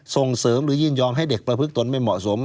ส่งเสริมหรือยินยอมให้เด็กประพฤกตนไม่เหมาะสม